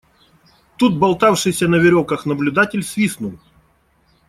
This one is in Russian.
Тут болтавшийся на веревках наблюдатель свистнул.